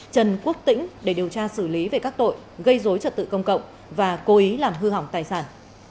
trần quốc tĩnh để điều tra xử lý về các tội gây dối trật tự công cộng và cố ý làm hư hỏng tài sản